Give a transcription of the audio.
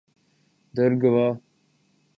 Dargwa